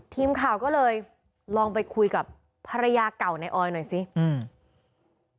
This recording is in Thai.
ทีมข่าวก็เลยลองไปคุยกับภรรยาเก่าในออยหน่อยสิอืม